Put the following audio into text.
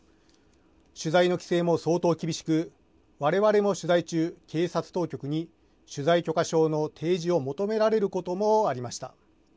取材の規制も相当厳しく我々も取材中、警察当局に取材許可証の提示を求められることもありました。